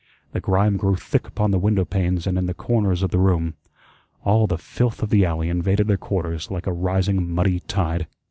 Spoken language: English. The grime grew thick upon the window panes and in the corners of the room. All the filth of the alley invaded their quarters like a rising muddy tide.